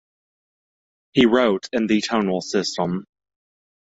He wrote in the tonal system.